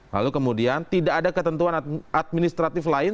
lalu kemudian tidak ada ketentuan administratif lain